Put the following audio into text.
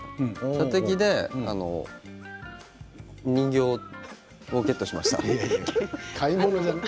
射的で人形をゲットしました。